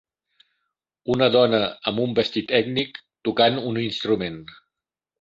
Una dona amb un vestit ètnic tocant un instrument